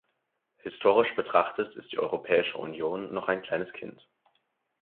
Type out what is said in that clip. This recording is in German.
Historisch betrachtet, ist die Europäische Union noch ein kleines Kind.